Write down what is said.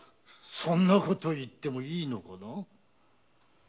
そんなことを言ってもいいのかな？